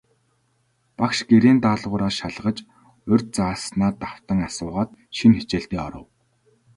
Багш гэрийн даалгавар шалгаж, урьд зааснаа давтан асуугаад, шинэ хичээлдээ оров.